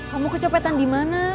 kamu kecopetan dimana